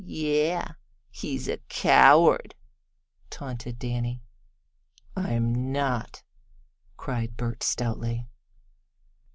"Yes, he's a coward!" taunted Danny. "I'm not!" cried Bert stoutly.